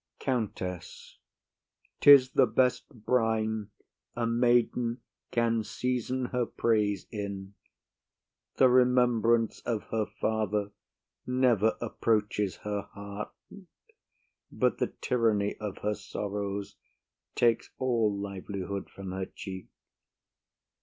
COUNTESS. 'Tis the best brine a maiden can season her praise in. The remembrance of her father never approaches her heart but the tyranny of her sorrows takes all livelihood from her cheek.